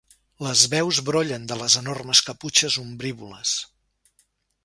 Les veus brollen de les enormes caputxes ombrívoles.